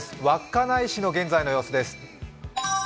稚内市の現在の様子です。